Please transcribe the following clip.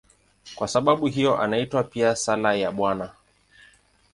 Kwa sababu hiyo inaitwa pia "Sala ya Bwana".